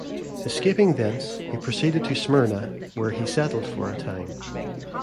Escaping thence, he proceeded to Smyrna, where he settled for a time.